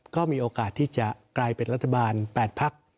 ก็มีโอกาสที่จะกลายเป็นรัฐบาล๘พัก